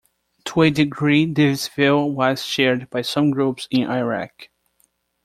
To a degree, this view was shared by some groups in Iraq.